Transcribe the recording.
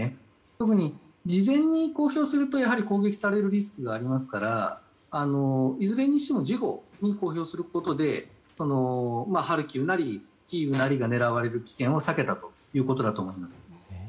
特に事前に公表すると攻撃されるリスクがありますからいずれにしても事後に公表することでハルキウなり、キーウなりが狙われる危険を避けたということだと思います。